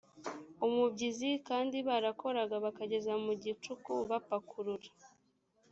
umubyizi kandi barakoraga bakageza mu gicuku bapakurura